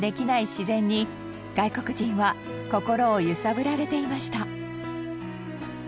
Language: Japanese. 自然に外国人は心を揺さぶられていました。